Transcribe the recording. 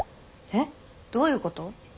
えっ！？どういうこと？